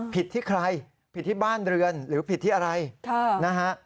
ผิดที่ใครผิดที่บ้านเรือนหรือผิดที่อะไรนะฮะ